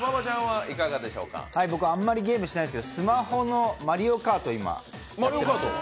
僕、あんまりゲームしないんですけど、スマホの「マリオカート」を。